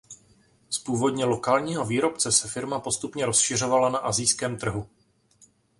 Z původně lokálního výrobce se firma postupně rozšiřovala na asijském trhu.